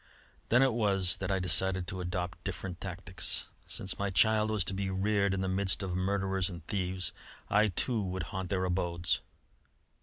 Then it was that I decided to adopt different tactics. Since my child was to be reared in the midst of murderers and thieves, I, too, would haunt their abodes.